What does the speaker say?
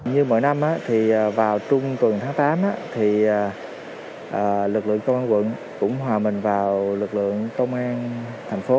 như mỗi năm thì vào trung tuần tháng tám thì lực lượng công an quận cũng hòa mình vào lực lượng công an thành phố